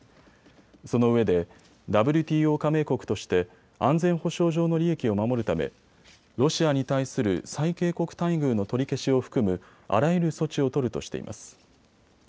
そのうえでＷＴＯ加盟国として安全保障上の利益を守るためロシアに対する最恵国待遇の取り消しを含むあらゆる措置を取るとしています。